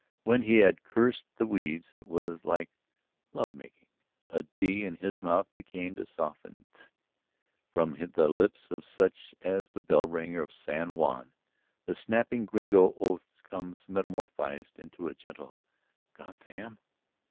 When he had cursed the weeds it was like love making. A d in his mouth became a softened th; from the lips of such as the bell ringer of San Juan the snapping Gringo oath comes metamorphosed into a gentle "Gah tham!"